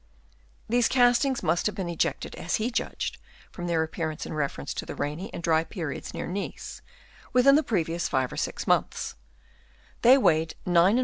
These castings must have been ejected, as he judged from their appearance in reference to the rainy and dry periods near Nice, within the previous five or six months ; they weighed 9«| oz.